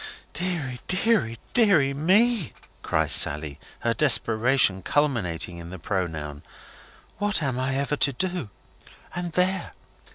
"Deary, deary, deary ME!" cries Sally, her desperation culminating in the pronoun, "what am I ever to do? And there!